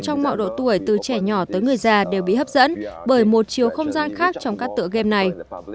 trong mọi độ tuổi từ trẻ nhỏ tới người già đều bị hấp dẫn bởi một chiều không gian khác trong các tựa game này